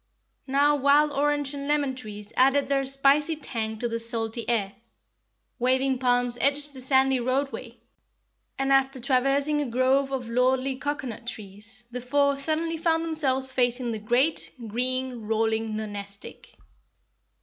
Now wild orange and lemon trees added their spicy tang to the salty air; waving palms edged the sandy roadway, and after traversing a grove of lordly cocoanut trees the four suddenly found themselves facing the great, green, rolling Nonestic.